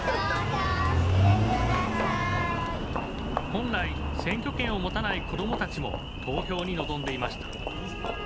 本来、選挙権を持たない子どもたちも投票に臨んでいました。